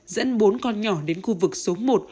dẫn bốn con nhỏ đến khu vực số một